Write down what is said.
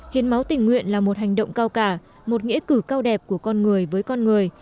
hiến máu tình nguyện là một hành động cao cả một nghĩa cử cao đẹp của con người với con người